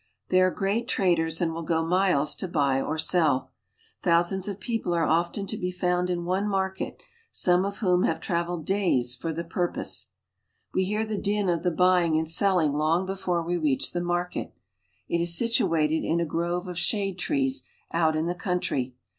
They are great traders and will go I miles to buy or sell. Thousands of people are often to be ] found in one market, some of whom have traveled days for the purpose. We hear the din of the buying and selling long before ; reach the market. It is situated in a grove of shade ■ees out in the country.